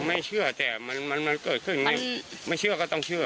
ไม่เชื่อแต่มันเกิดขึ้นไม่เชื่อก็ต้องเชื่อ